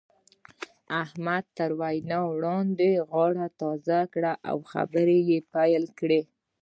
احمد تر وينا وړاندې غاړه تازه کړه او خبرې يې پيل کړې.